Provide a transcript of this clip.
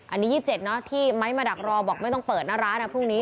อันนี้๒๗เนอะที่ไม้มาดักรอบอกไม่ต้องเปิดหน้าร้านนะพรุ่งนี้